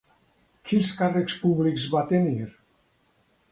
Quins càrrecs públics va tenir?